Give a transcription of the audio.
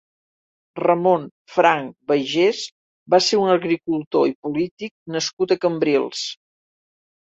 Ramon Franch Baiges va ser un agricultor i polític nascut a Cambrils.